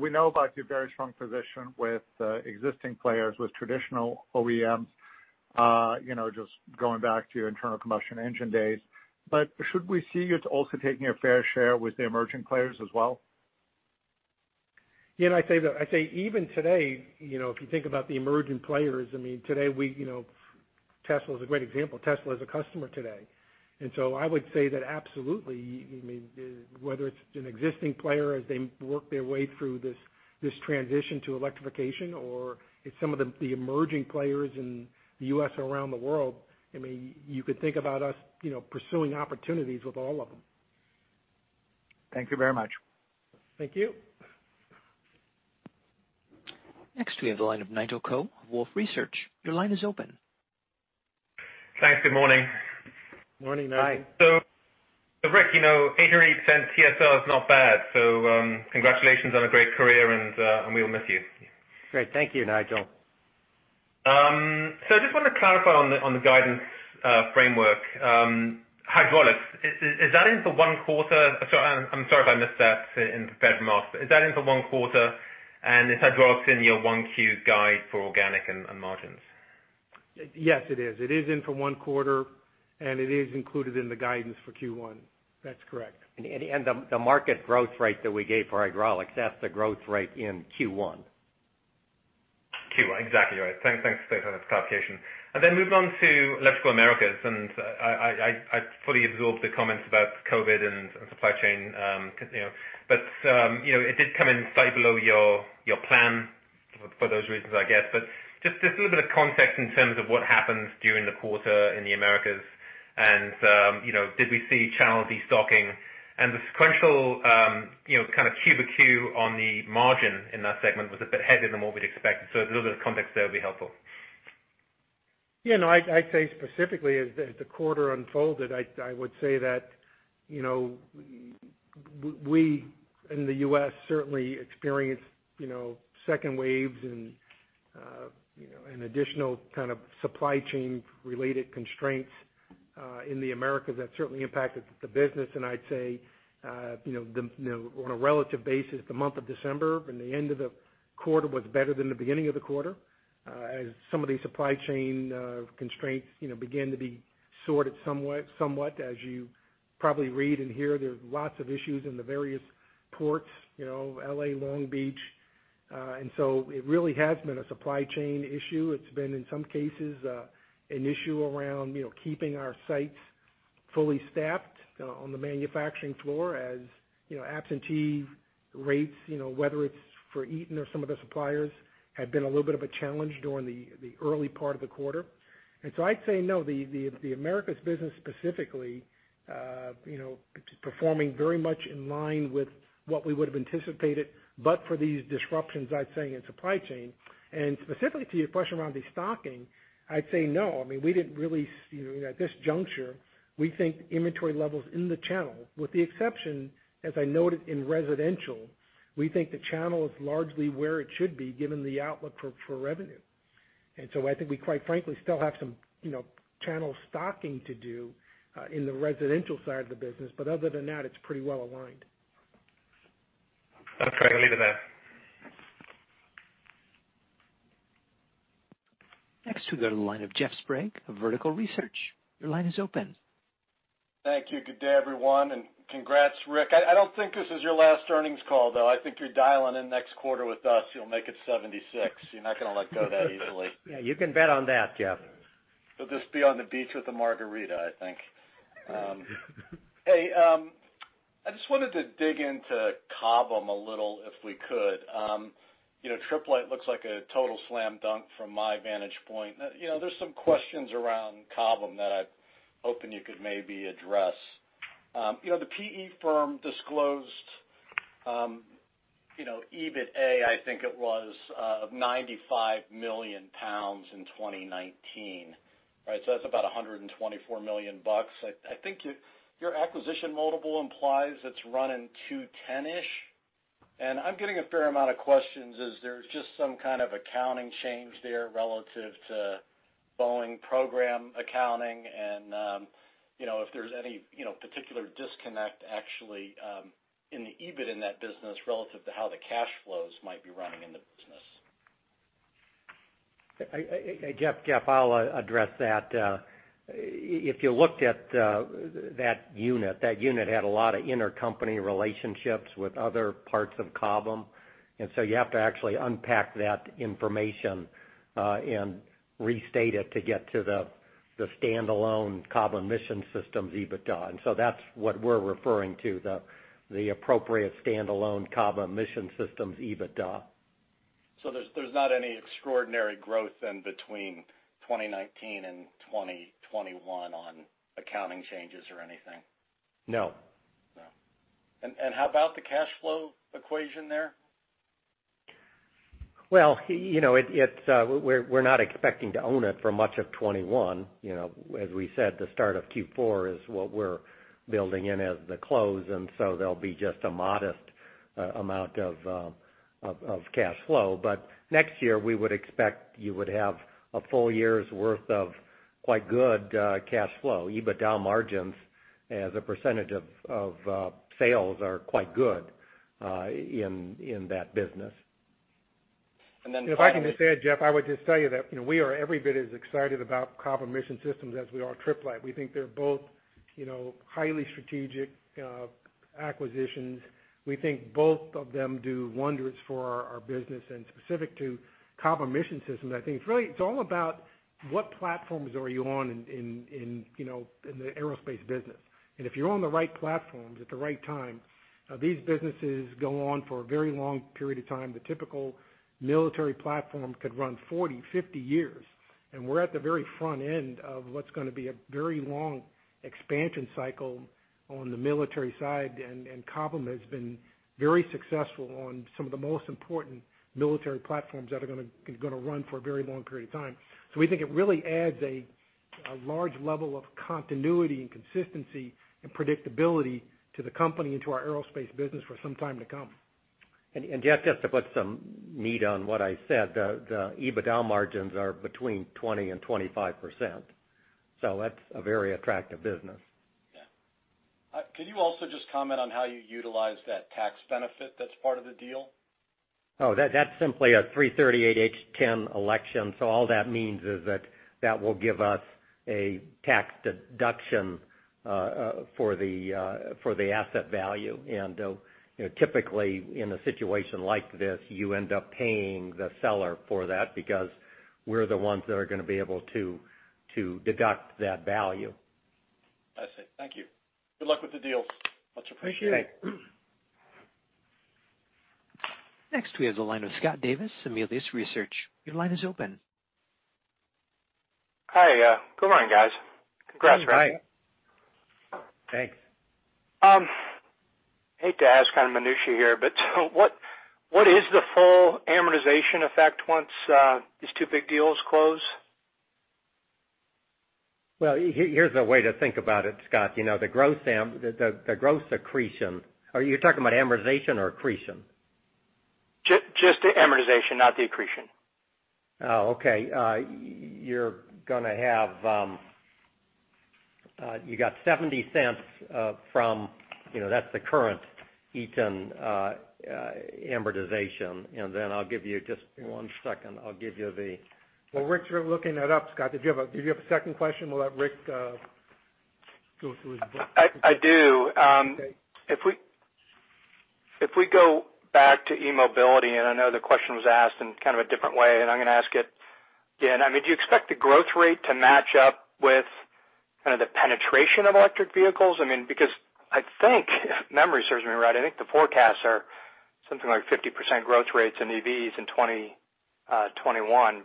we know about your very strong position with existing players, with traditional OEMs, just going back to your internal combustion engine days. Should we see you as also taking a fair share with the emerging players as well? Yeah, I'd say even today, if you think about the emerging players, Tesla's a great example. Tesla is a customer today. I would say that absolutely, whether it's an existing player as they work their way through this transition to electrification, or it's some of the emerging players in the U.S. or around the world. You could think about us pursuing opportunities with all of them. Thank you very much. Thank you. Next we have the line of Nigel Coe, Wolfe Research. Your line is open. Thanks. Good morning. Morning, Nigel. Rick, 88% TSR is not bad. Congratulations on a great career, and we'll miss you. Great. Thank you, Nigel. I just want to clarify on the guidance framework. Hydraulics, is that in for one quarter? I'm sorry if I missed that in the prepared remarks, but is that in for one quarter, and is hydraulics in your 1Q guide for organic and margins? Yes, it is. It is in for one quarter, and it is included in the guidance for Q1. That's correct. The market growth rate that we gave for hydraulics, that's the growth rate in Q1. Exactly right. Thanks for that clarification. Moving on to Electrical Americas, I fully absorbed the comments about COVID and supply chain. It did come in slightly below your plan for those reasons, I guess. Just a little bit of context in terms of what happened during the quarter in the Americas, did we see channel de-stocking? The sequential kind of Q over Q on the margin in that segment was a bit heavier than what we'd expected. A little bit of context there would be helpful. Yeah, no, I'd say specifically as the quarter unfolded, I would say that we in the U.S. certainly experienced second waves and additional kind of supply chain related constraints, in the Americas that certainly impacted the business. I'd say on a relative basis, the month of December and the end of the quarter was better than the beginning of the quarter, as some of these supply chain constraints began to be sorted somewhat. As you probably read and hear, there's lots of issues in the various ports, L.A., Long Beach. It really has been a supply chain issue. It's been, in some cases, an issue around keeping our sites fully staffed on the manufacturing floor as absentee rates, whether it's for Eaton or some of the suppliers, had been a little bit of a challenge during the early part of the quarter. I'd say no, the Americas Business specifically, it's performing very much in line with what we would've anticipated, but for these disruptions, I'd say in supply chain. Specifically to your question around the stocking, I'd say no. I mean, we didn't really, at this juncture, we think inventory levels in the channel, with the exception, as I noted in residential, we think the channel is largely where it should be given the outlook for revenue. I think we quite frankly still have some channel stocking to do, in the residential side of the business. Other than that, it's pretty well aligned. Okay, I'll leave it there. Next, we go to the line of Jeff Sprague of Vertical Research. Your line is open. Thank you. Good day, everyone, and congrats, Rick. I don't think this is your last earnings call, though. I think you're dialing in next quarter with us. You'll make it 76. You're not going to let go that easily. Yeah, you can bet on that, Jeff. You'll just be on the beach with a margarita, I think. Hey, I just wanted to dig into Cobham a little, if we could. Tripp Lite looks like a total slam dunk from my vantage point. There's some questions around Cobham that I'd hoping you could maybe address. The PE firm disclosed, EBITDA, I think it was, of 95 million pounds in 2019. Right? That's about $124 million. I think your acquisition multiple implies it's running 210-ish. I'm getting a fair amount of questions, is there just some kind of accounting change there relative to Boeing program accounting and if there's any particular disconnect actually, in the EBIT in that business relative to how the cash flows might be running in the business? Jeff, I'll address that. If you looked at that unit had a lot of intercompany relationships with other parts of Cobham. You have to actually unpack that information, and restate it to get to the standalone Cobham Mission Systems EBITDA. That's what we're referring to, the appropriate standalone Cobham Mission Systems EBITDA. There's not any extraordinary growth in between 2019 and 2021 on accounting changes or anything? No. No. How about the cash flow equation there? Well, we're not expecting to own it for much of 2021. As we said, the start of Q4 is what we're building in as the close, there'll be just a modest amount of cash flow. Next year, we would expect you would have a full-year's worth of quite good cash flow. EBITDA margins as a percentage of sales are quite good in that business. And then finally- If I can just add, Jeff, I would just tell you that we are every bit as excited about Cobham Mission Systems as we are Tripp Lite. We think they're both highly strategic acquisitions. We think both of them do wonders for our business. Specific to Cobham Mission Systems, I think it's all about what platforms are you on in the aerospace business. If you're on the right platforms at the right time, these businesses go on for a very long period of time. The typical military platform could run 40, 50 years, and we're at the very front end of what's going to be a very long expansion cycle on the military side, and Cobham has been very successful on some of the most important military platforms that are going to run for a very long period of time. We think it really adds a large level of continuity and consistency and predictability to the company and to our aerospace business for some time to come. Jeff, just to put some meat on what I said, the EBITDA margins are between 20% and 25%, so that's a very attractive business. Yeah. Could you also just comment on how you utilize that tax benefit that's part of the deal? Oh, that's simply a 338(h)(10) election. All that means is that that will give us a tax deduction for the asset value. Typically, in a situation like this, you end up paying the seller for that because we're the ones that are going to be able to deduct that value. I see. Thank you. Good luck with the deal. Much appreciated. Thank you. Next we have the line with Scott Davis, Melius Research. Your line is open. Hi. Good morning, guys. Congrats. Hi. Thanks. I hate to ask minutiae here, but what is the full amortization effect once these two big deals close? Well, here's a way to think about it, Scott. The growth accretion. Are you talking about amortization or accretion? Just the amortization, not the accretion. Oh, okay. You got $0.70 from, that's the current Eaton amortization. I'll give you just one second. While Rick's looking that up, Scott, did you have a second question? We'll let Rick go through his book. I do. Okay. If we go back to eMobility, and I know the question was asked in kind of a different way, and I'm going to ask it again. Do you expect the growth rate to match up with kind of the penetration of electric vehicles? I think, if memory serves me right, I think the forecasts are something like 50% growth rates in EVs in 2021.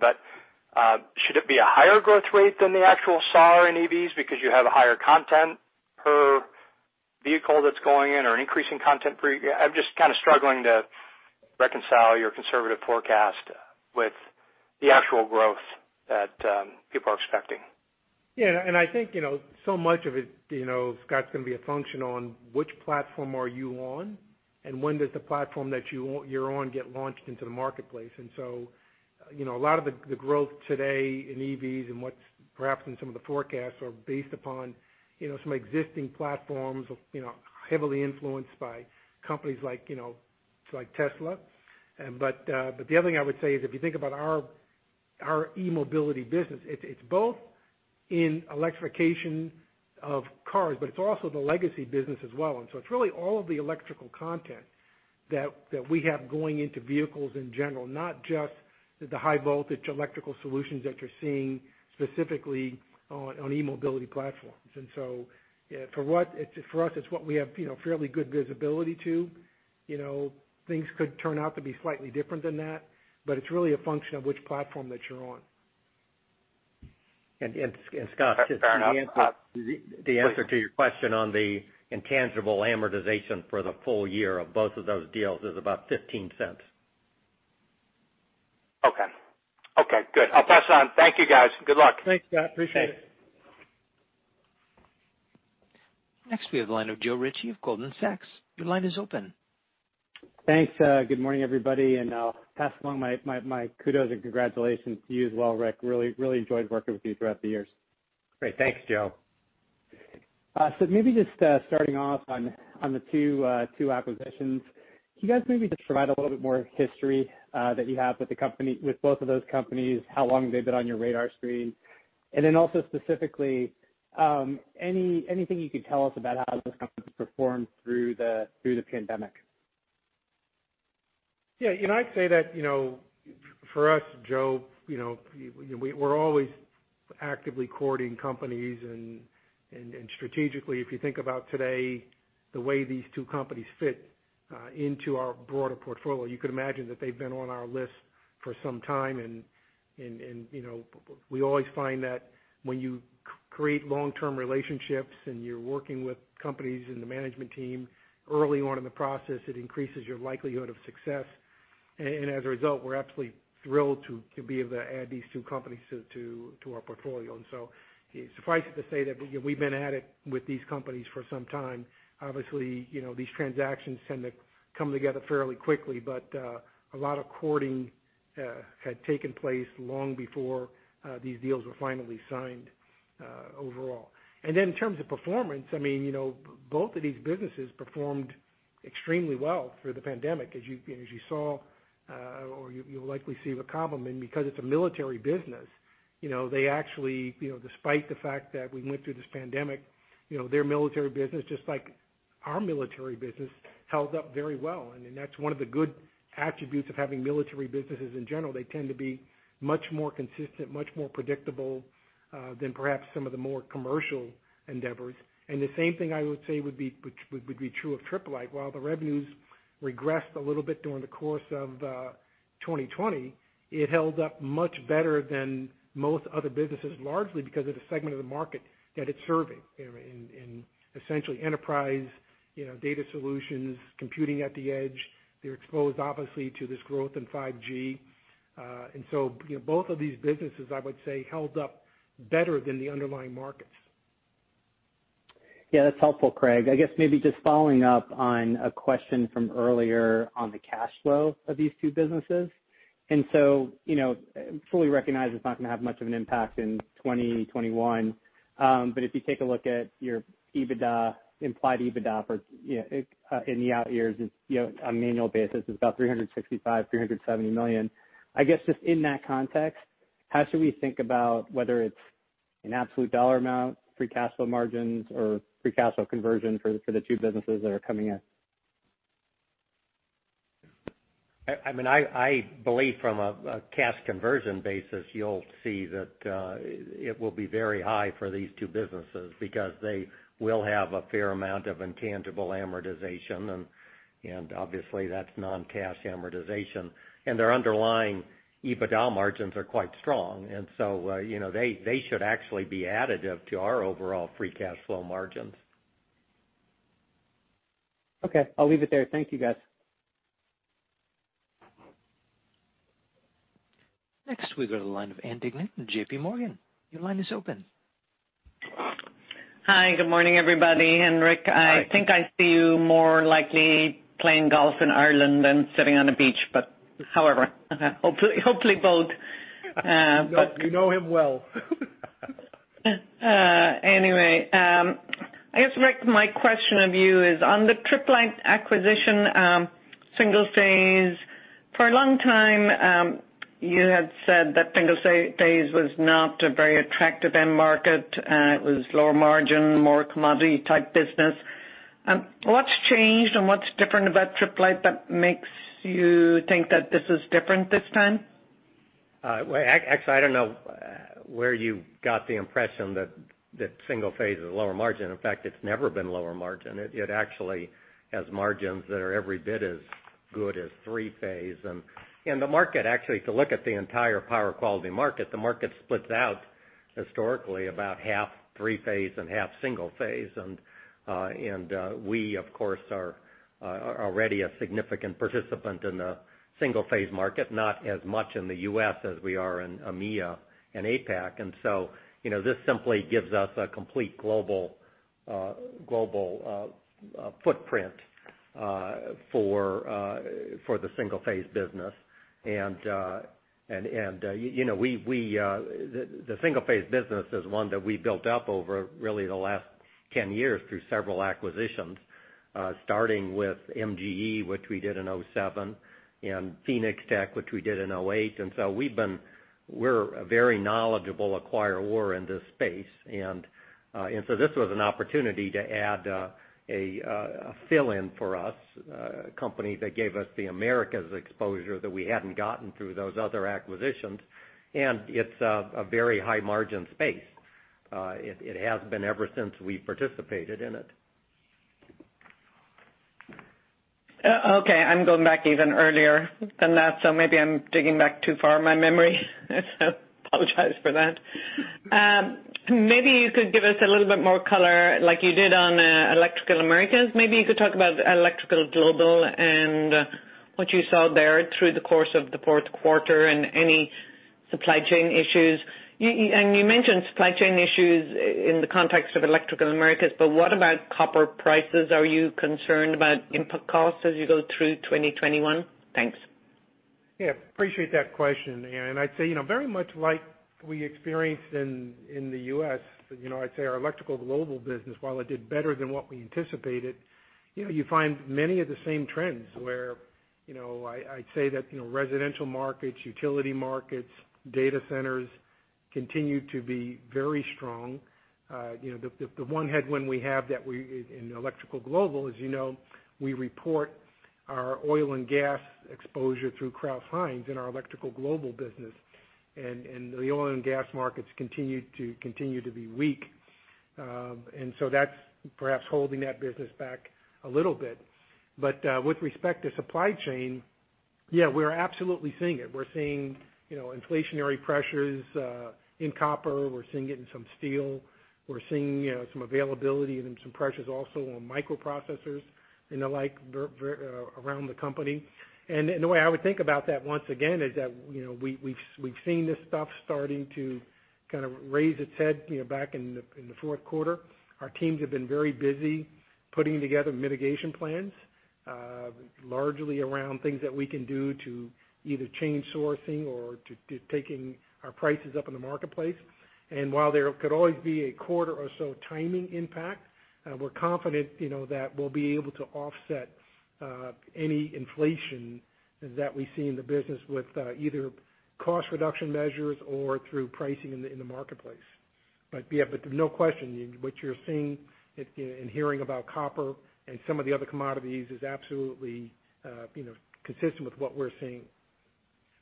Should it be a higher growth rate than the actual SAAR in EVs because you have a higher content per vehicle that's going in or an increasing content per year? I'm just kind of struggling to reconcile your conservative forecast with the actual growth that people are expecting. Yeah, and I think, so much of it, Scott's going to be a function on which platform are you on, and when does the platform that you're on get launched into the marketplace. A lot of the growth today in EVs and what's perhaps in some of the forecasts are based upon some existing platforms, heavily influenced by companies like Tesla. The other thing I would say is, if you think about our eMobility business, it's both in electrification of cars, but it's also the legacy business as well. It's really all of the electrical content that we have going into vehicles in general, not just the high voltage electrical solutions that you're seeing specifically on eMobility platforms. For us, it's what we have fairly good visibility to. Things could turn out to be slightly different than that, but it's really a function of which platform that you're on. Scott. That's fair enough. the answer to your question on the intangible amortization for the full-year of both of those deals is about $0.15. Okay. Okay, good. I'll press on. Thank you, guys. Good luck. Thanks, Scott. Appreciate it. Thanks. Next we have the line of Joe Ritchie of Goldman Sachs. Your line is open. Thanks. Good morning, everybody. I'll pass along my kudos and congratulations to you as well, Rick. Really enjoyed working with you throughout the years. Great. Thanks, Joe. Maybe just starting off on the two acquisitions, can you guys maybe just provide a little bit more history that you have with both of those companies, how long they've been on your radar screen, and then also specifically, anything you could tell us about how those companies performed through the pandemic? Yeah. I'd say that, for us, Joe, we're always actively courting companies, and strategically, if you think about today, the way these two companies fit into our broader portfolio, you could imagine that they've been on our list for some time, and we always find that when you create long-term relationships and you're working with companies and the management team early on in the process, it increases your likelihood of success. As a result, we're absolutely thrilled to be able to add these two companies to our portfolio. Suffice it to say that we've been at it with these companies for some time. Obviously, these transactions tend to come together fairly quickly, but a lot of courting had taken place long before these deals were finally signed overall. In terms of performance, both of these businesses performed extremely well through the pandemic. As you saw, or you'll likely see with Cobham, because it's a military business, they actually, despite the fact that we went through this pandemic, their military business, just like our military business, held up very well. That's one of the good attributes of having military businesses in general. They tend to be much more consistent, much more predictable, than perhaps some of the more commercial endeavors. The same thing I would say would be true of Tripp Lite. While the revenues regressed a little bit during the course of 2020, it held up much better than most other businesses, largely because of the segment of the market that it's serving in essentially enterprise data solutions, computing at the edge. They're exposed, obviously, to this growth in 5G. Both of these businesses, I would say, held up better than the underlying markets. Yeah, that's helpful, Craig. I guess maybe just following up on a question from earlier on the cash flow of these two businesses. Fully recognize it's not going to have much of an impact in 2021. If you take a look at your implied EBITDA for in the out years on an annual basis, it's about $365 million-$370 million. I guess just in that context, how should we think about whether it's an absolute dollar amount, free cash flow margins, or free cash flow conversion for the two businesses that are coming in? I believe from a cash conversion basis, you'll see that it will be very high for these two businesses because they will have a fair amount of intangible amortization, and obviously that's non-cash amortization. Their underlying EBITDA margins are quite strong. They should actually be additive to our overall free cash flow margins. Okay. I'll leave it there. Thank you, guys. Next we go to the line of Ann Duignan, JPMorgan. Your line is open. Hi. Good morning, everybody. Rick, I think I see you more likely playing golf in Ireland than sitting on a beach, but however, hopefully both. You know him well. I guess, Rick, my question of you is on the Tripp Lite acquisition, single phase. For a long time, you had said that single phase was not a very attractive end market. It was lower margin, more commodity type business. What's changed and what's different about Tripp Lite that makes you think that this is different this time? Well, actually, I don't know where you got the impression that single-phase is lower margin. In fact, it's never been lower margin. It actually has margins that are every bit as good as three-phase. The market actually, if you look at the entire power quality market, the market splits out historically about half three-phase and half single-phase. We of course, are already a significant participant in the single-phase market, not as much in the U.S. as we are in EMEA and APAC. This simply gives us a complete global footprint for the single-phase business. The single-phase business is one that we built up over really the last 10 years through several acquisitions, starting with MGE, which we did in 2007, and Phoenixtec, which we did in 2008. We're a very knowledgeable acquirer in this space. This was an opportunity to add a fill-in for us, a company that gave us the Americas exposure that we hadn't gotten through those other acquisitions. It's a very high margin space. It has been ever since we participated in it. Okay. I'm going back even earlier than that, so maybe I'm digging back too far in my memory. Apologize for that. Maybe you could give us a little bit more color like you did on Electrical Americas. Maybe you could talk about Electrical Global and what you saw there through the course of the fourth quarter and any supply chain issues. You mentioned supply chain issues in the context of Electrical Americas, but what about copper prices? Are you concerned about input costs as you go through 2021? Thanks. Yeah. Appreciate that question, Ann. I'd say, very much like we experienced in the U.S., I'd say our Electrical Global business, while it did better than what we anticipated, you find many of the same trends where I'd say that residential markets, utility markets, data centers continue to be very strong. The one headwind we have in Electrical Global is we report our oil and gas exposure through Crouse-Hinds in our Electrical Global business. The oil and gas markets continue to be weak. That's perhaps holding that business back a little bit. With respect to supply chain, yeah, we're absolutely seeing it. We're seeing inflationary pressures in copper. We're seeing it in some steel. We're seeing some availability and some pressures also on microprocessors and the like around the company. The way I would think about that once again is that we've seen this stuff starting to kind of raise its head back in the fourth quarter. Our teams have been very busy putting together mitigation plans, largely around things that we can do to either change sourcing or to taking our prices up in the marketplace. While there could always be a quarter or so timing impact, we're confident that we'll be able to offset any inflation that we see in the business with either cost reduction measures or through pricing in the marketplace. Yeah, but no question. What you're seeing and hearing about copper and some of the other commodities is absolutely consistent with what we're seeing,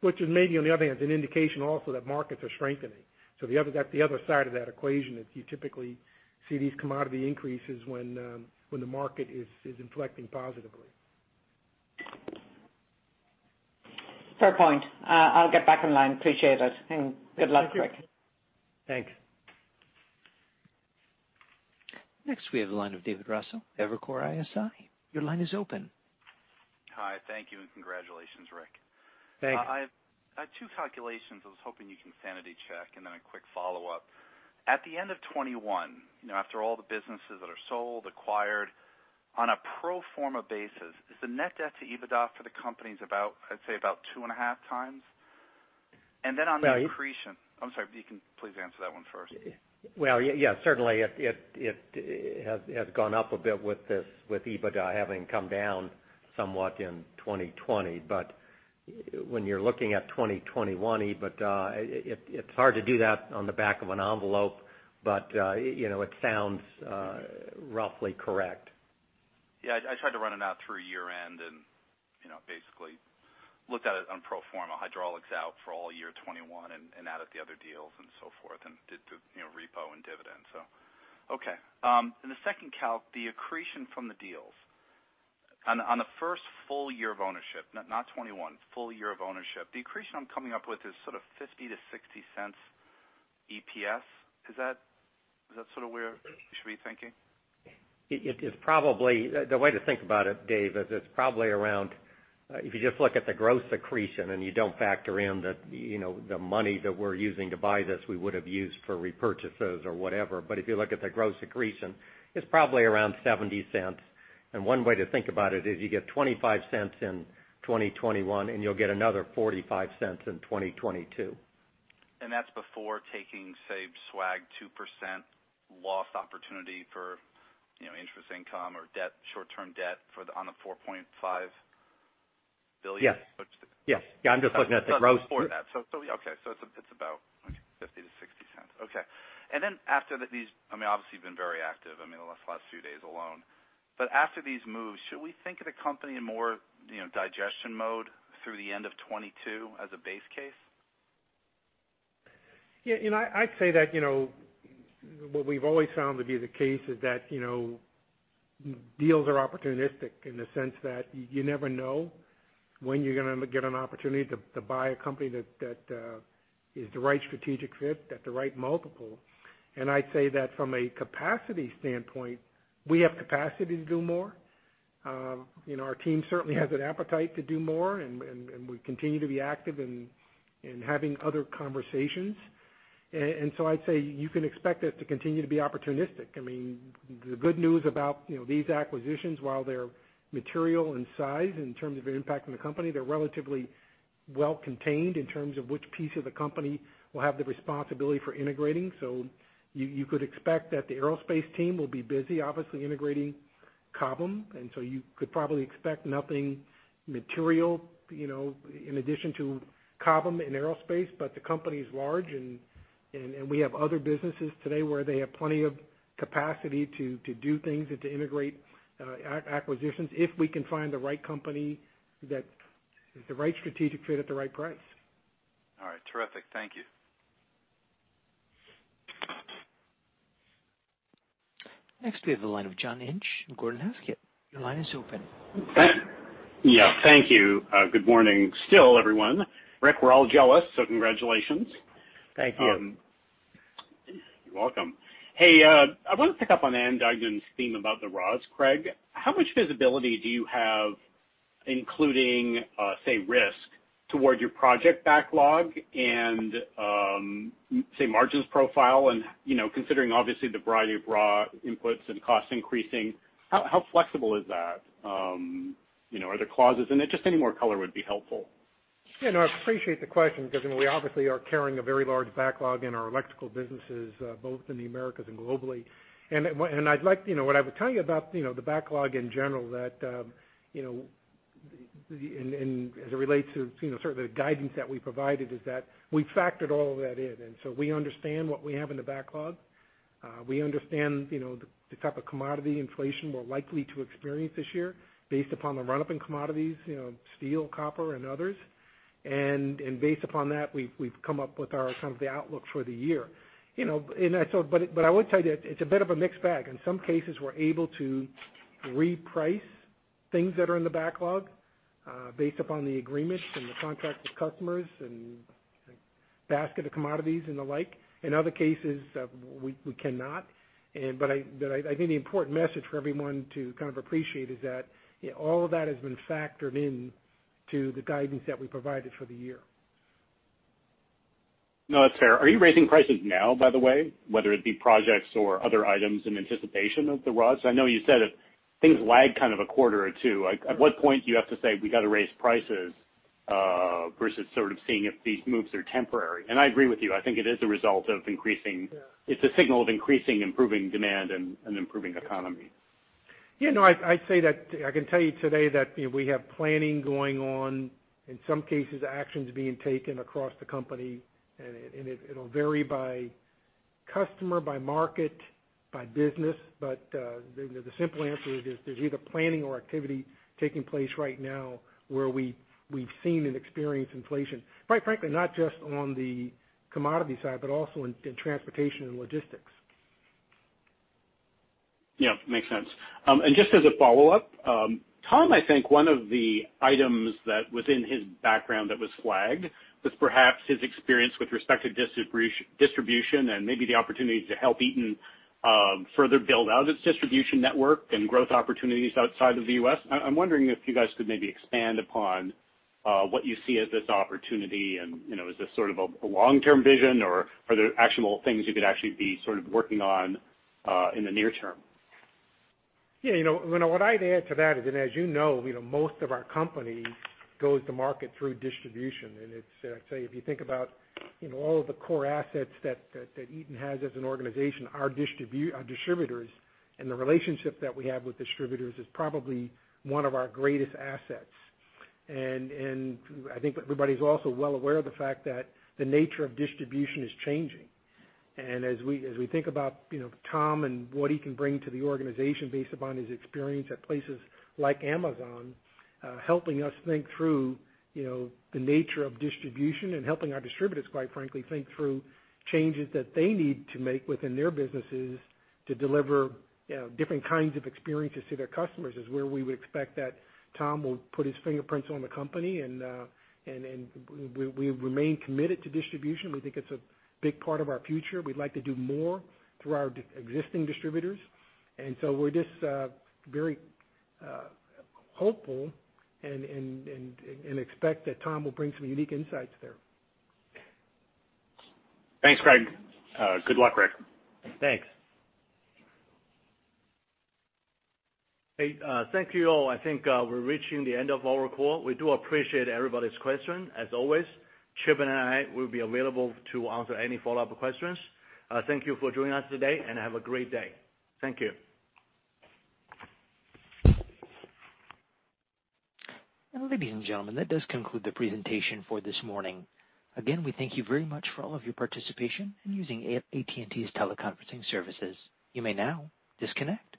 which is maybe on the other hand, is an indication also that markets are strengthening. That's the other side of that equation, is you typically see these commodity increases when the market is inflecting positively. Fair point. I'll get back in line. Appreciate it and good luck, Rick. Thank you. Thanks. Next we have the line of David Raso, Evercore ISI. Your line is open. Hi. Thank you and congratulations, Rick. Thanks. I have two calculations I was hoping you can sanity check and then a quick follow-up. At the end of 2021, after all the businesses that are sold, acquired, on a pro forma basis, is the net debt to EBITDA for the companies about, I'd say about two and a half times? On the accretion. Well- I'm sorry. You can please answer that one first. Well, yeah. Certainly it has gone up a bit with EBITDA having come down somewhat in 2020. When you're looking at 2021 EBITDA, it's hard to do that on the back of an envelope. It sounds roughly correct. I tried to run it out through year-end and basically looked at it on pro forma Hydraulics out for all year 2021 and added the other deals and so forth, and did the repo and dividend. Okay. In the second calc, the accretion from the deals on the first full-year of ownership, not 2021, full-year of ownership. The accretion I'm coming up with is sort of $0.50-$0.60 EPS. Is that sort of where we should be thinking? The way to think about it, Dave, is it's probably around, if you just look at the gross accretion and you don't factor in the money that we're using to buy this, we would've used for repurchases or whatever. If you look at the gross accretion, it's probably around $0.70. One way to think about it is you get $0.25 in 2021, and you'll get another $0.45 in 2022. That's before taking, say, swag 2% lost opportunity for interest income or short-term debt on the $4.5 billion. Yes. Before that. Okay. It's about $0.50-$0.60. Okay. After these, obviously, you've been very active, in the last few days alone. After these moves, should we think of the company in more digestion mode through the end of 2022 as a base case? Yeah, I'd say that what we've always found to be the case is that deals are opportunistic in the sense that you never know when you're going to get an opportunity to buy a company that is the right strategic fit at the right multiple. I'd say that from a capacity standpoint, we have capacity to do more. Our team certainly has an appetite to do more, and we continue to be active in having other conversations. I'd say you can expect us to continue to be opportunistic. The good news about these acquisitions, while they're material in size in terms of an impact on the company, they're relatively well-contained in terms of which piece of the company will have the responsibility for integrating. You could expect that the aerospace team will be busy, obviously, integrating Cobham. You could probably expect nothing material in addition to Cobham in aerospace. The company's large, and we have other businesses today where they have plenty of capacity to do things and to integrate acquisitions if we can find the right company that is the right strategic fit at the right price. All right. Terrific. Thank you. Next, we have the line of John Inch from Gordon Haskett. Your line is open. Yeah. Thank you. Good morning still, everyone. Rick, we're all jealous, so congratulations. Thank you. You're welcome. Hey, I want to pick up on Ann Duignan's theme about the raws, Craig. How much visibility do you have, including, say, risk toward your project backlog and say, margins profile, and considering obviously the variety of raw inputs and cost increasing, how flexible is that? Are there clauses? Just any more color would be helpful. Yeah, no, I appreciate the question because we obviously are carrying a very large backlog in our electrical businesses, both in the Americas and globally. What I would tell you about the backlog in general, as it relates to sort of the guidance that we provided, is that we factored all of that in. We understand what we have in the backlog. We understand the type of commodity inflation we're likely to experience this year based upon the run-up in commodities, steel, copper, and others. Based upon that, we've come up with our kind of the outlook for the year. I would tell you that it's a bit of a mixed bag. In some cases, we're able to reprice things that are in the backlog, based upon the agreements and the contract with customers and basket of commodities and the like. In other cases, we cannot. I think the important message for everyone to kind of appreciate is that all of that has been factored into the guidance that we provided for the year. No, that's fair. Are you raising prices now, by the way, whether it be projects or other items in anticipation of the raws? I know you said if things lag kind of a quarter or two, at what point do you have to say we got to raise prices, versus sort of seeing if these moves are temporary. I agree with you. I think it is a result of increasing- Yeah. It's a signal of increasing improving demand and an improving economy. Yeah, no, I'd say that I can tell you today that we have planning going on. In some cases, actions being taken across the company. It'll vary by customer, by market, by business. The simple answer is there's either planning or activity taking place right now where we've seen and experienced inflation. Quite frankly, not just on the commodity side, but also in transportation and logistics. Yeah. Makes sense. Just as a follow-up, Tom, I think one of the items that was in his background that was flagged was perhaps his experience with respect to distribution and maybe the opportunity to help Eaton further build out its distribution network and growth opportunities outside of the U.S. I'm wondering if you guys could maybe expand upon what you see as this opportunity and is this sort of a long-term vision, or are there actionable things you could actually be sort of working on in the near term? Yeah. What I'd add to that is that as you know, most of our company goes to market through distribution. I'd say if you think about all of the core assets that Eaton has as an organization, our distributors and the relationship that we have with distributors is probably one of our greatest assets. I think everybody's also well aware of the fact that the nature of distribution is changing. As we think about Tom and what he can bring to the organization based upon his experience at places like Amazon, helping us think through the nature of distribution and helping our distributors, quite frankly, think through changes that they need to make within their businesses to deliver different kinds of experiences to their customers is where we would expect that Tom will put his fingerprints on the company. We remain committed to distribution. We think it's a big part of our future. We'd like to do more through our existing distributors. We're just very hopeful and expect that Tom will bring some unique insights there. Thanks, Craig. Good luck, Rick. Thanks. Hey, thank you all. I think we're reaching the end of our call. We do appreciate everybody's question. As always, Chip and I will be available to answer any follow-up questions. Thank you for joining us today, and have a great day. Thank you. Ladies and gentlemen, that does conclude the presentation for this morning. Again, we thank you very much for all of your participation in using AT&T's teleconferencing services. You may now disconnect.